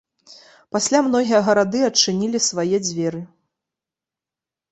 Пасля, многія гарады адчынілі свае дзверы.